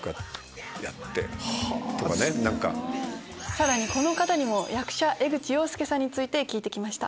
さらにこの方にも役者江口洋介さんについて聞いてきました。